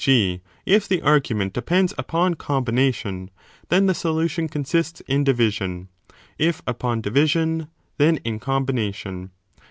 g. if the argu ment depends upon combination, then the solution consists in division ; if upon division, then in combination.